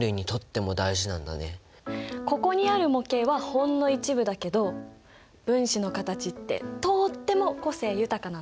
ここにある模型はほんの一部だけど分子の形ってとっても個性豊かなんだ。